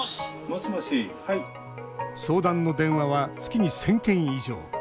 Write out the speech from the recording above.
相談の電話は月に１０００件以上。